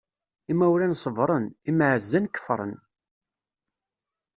Imawlan ṣebṛen, imɛazzan kefṛen.